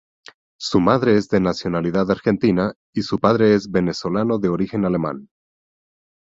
Su madre es de nacionalidad argentina y su padre es venezolano de origen alemán.